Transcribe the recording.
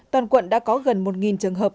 toàn quận đã có gần một trường hợp